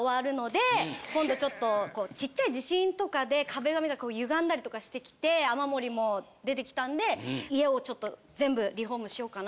今度ちょっとちっちゃい地震とかで壁紙が歪んだりとかしてきて雨漏りも出てきたんで家をちょっと全部リフォームしようかな。